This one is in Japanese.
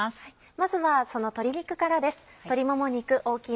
まずはその鶏肉からです。